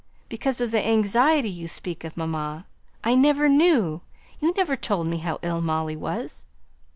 "Because of the anxiety you speak of, mamma. I never knew, you never told me how ill Molly was."